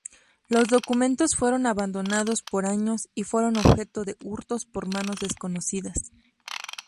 Los documentos fueron abandonados por años y fueron objeto de hurtos por manos desconocidas.